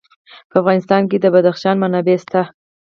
په افغانستان کې د بدخشان منابع شته.